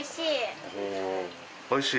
おいしい？